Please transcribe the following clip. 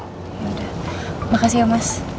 udah makasih ya mas